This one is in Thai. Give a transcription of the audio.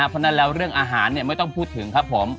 เพราะฉะนั้นแล้วเรื่องอาหารไม่ต้องพูดถึงครับผม